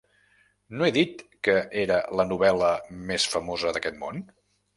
No he dit que era la novel·la més famosa d'aquest món?